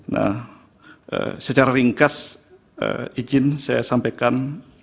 nah secara ringkas izin saya sampaikan